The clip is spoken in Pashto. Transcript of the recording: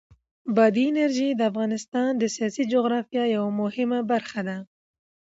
بادي انرژي د افغانستان د سیاسي جغرافیه یوه مهمه برخه ده.